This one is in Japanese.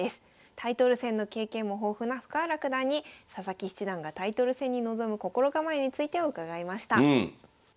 タイトル戦の経験も豊富な深浦九段に佐々木七段がタイトル戦に臨む心構えについて伺いました。